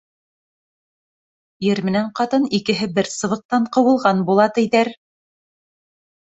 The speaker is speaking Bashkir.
Ир менән ҡатын икеһе бер сыбыҡтан ҡыуылған була, тиҙәр.